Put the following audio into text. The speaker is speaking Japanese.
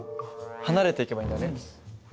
離れていけばいいんだね。